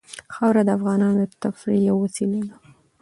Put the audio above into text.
خاوره د افغانانو د تفریح یوه وسیله ده.